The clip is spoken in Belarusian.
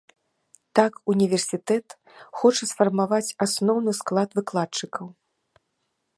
Так універсітэт хоча сфармаваць асноўны склад выкладчыкаў.